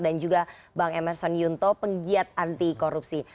juga bang emerson yunto penggiat anti korupsi